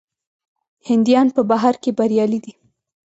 هندیان په بهر کې بریالي دي.